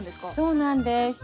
そうなんです。